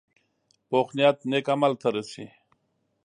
پوخ نیت نیک عمل ته رسي